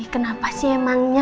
kenapa sih emangnya